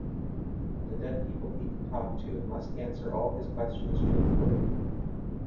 The dead people he can talk to must answer all his questions truthfully.